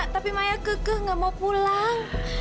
tapi maya kekeh gak mau pulang